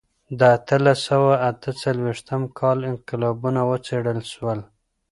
د اتلس سوه اته څلوېښتم کال انقلابونه وڅېړل سول.